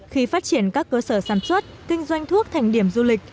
khi phát triển các cơ sở sản xuất kinh doanh thuốc thành điểm du lịch